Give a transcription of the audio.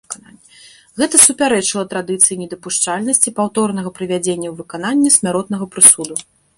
Гэта супярэчыла традыцыі недапушчальнасці паўторнага прывядзення ў выкананне смяротнага прысуду.